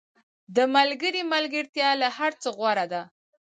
• د ملګري ملګرتیا له هر څه غوره ده.